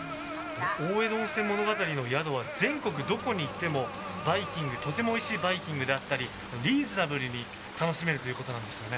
大江戸温泉物語の宿はどこに行ってもとてもおいしいバイキングだったりリーズナブルに楽しめるということなんですよね。